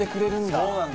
そうなんだ。